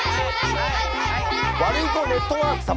ワルイコネットワーク様。